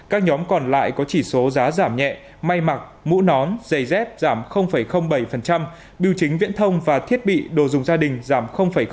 các nhóm còn lại có chỉ số giá giảm nhẹ may mặc mũ nón giày dép giảm bảy biểu chính viễn thông và thiết bị đồ dùng gia đình giảm ba